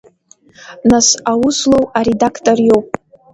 Нас аус злоу аредактор иоуп.